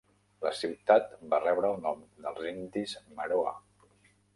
La ciutat va rebre el nom dels indis Maroa.